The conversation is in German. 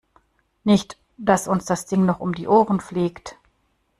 Nicht, dass uns das Ding noch um die Ohren fliegt.